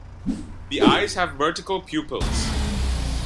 The eyes have vertical pupils.